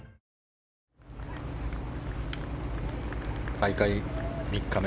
大会３日目。